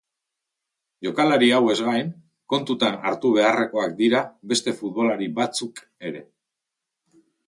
Jokalari hauez gain kontutan hartu beharrekoak dira beste futbolari batzuk ere.